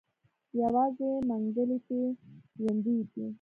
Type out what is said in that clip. يوازې منګلی تې ژوندی وتی.